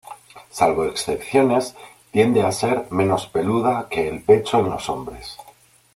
Salvo excepciones tiende a ser menos peluda que el pecho en los hombres.